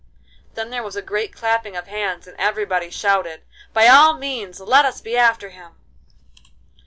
Then there was a great clapping of hands, and everybody shouted, 'By all means let us be after him.